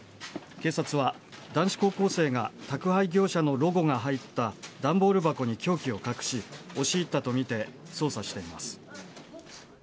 警察は男子高校生が宅配業者のロゴが入った段ボール箱に凶器を隠し、押し入ったとみて捜査しています。